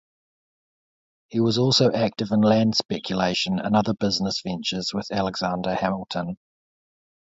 He was also active in land speculation and other business ventures with Alexander Hamilton.